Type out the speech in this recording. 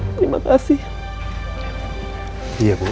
ingin menyampaikan bilasung kawak